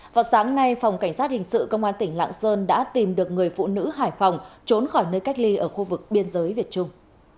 vào sáng nay phòng cảnh sát hình sự công an tỉnh lạng sơn đã tìm được người phụ nữ hải phòng trốn khỏi nơi cách ly ở khu vực biên giới việt trung